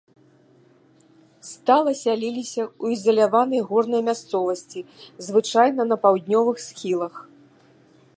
Стала сяліліся ў ізаляванай горнай мясцовасці, звычайна на паўднёвых схілах.